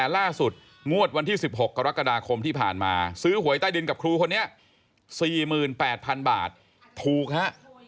งวดวันที่๑๖กรกฎาคมที่ผ่านมาซื้อหวยใต้ดินกับครูคนนี้๔๘๐๐๐บาทถูกฮะ